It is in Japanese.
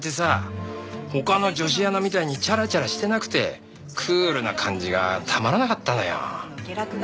他の女子アナみたいにチャラチャラしてなくてクールな感じがたまらなかったのよ。